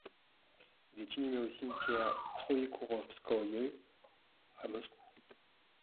Il est inhumé au cimetière Troïekourovskoïe à Moscou.